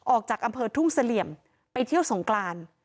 ออกจากอำเภอทุ่งเสลี่ยมไปเที่ยวสงกราน